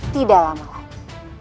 tidak lama lagi